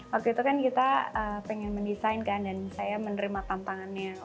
waktu itu kan kita pengen mendesain kan dan saya menerima tantangannya